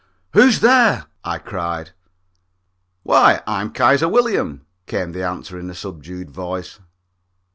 "Who's there?" I cried. "Why, I'm Kaiser William," came the answer in a subdued voice.